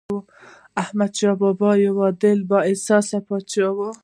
احمدشاه بابا یو عادل او بااحساسه پاچا و.